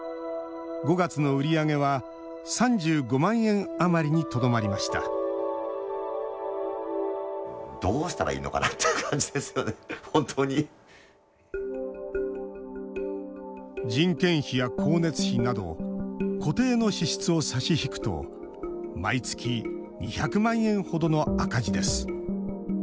５月の売り上げは３５万円余りにとどまりました人件費や光熱費など固定の支出を差し引くと毎月２００万円ほどの赤字です。